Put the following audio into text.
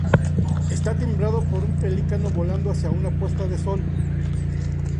Está timbrado por un pelícano volando hacia una puesta de sol.